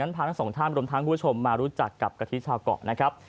พาทั้งสองท่านรวมทั้งคุณผู้ชมมารู้จักกับกะทิชาวเกาะนะครับ